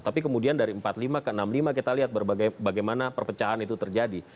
tapi kemudian dari empat puluh lima ke enam puluh lima kita lihat bagaimana perpecahan itu terjadi